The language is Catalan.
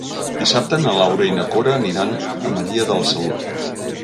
Dissabte na Laura i na Cora aniran a Maria de la Salut.